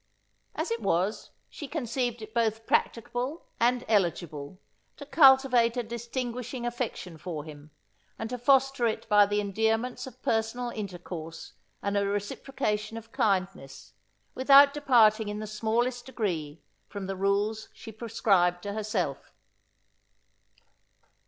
As it was, she conceived it both practicable and eligible, to cultivate a distinguishing affection for him, and to foster it by the endearments of personal intercourse and a reciprocation of kindness, without departing in the smallest degree from the rules she prescribed to herself.